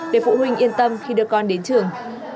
để phụ huynh yên tâm khi đưa con đến trường